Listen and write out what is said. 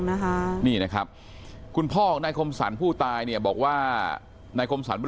นะคะนี่นะครับคุณพ่อของนายคมสรรผู้ตายเนี่ยบอกว่านายคมสรร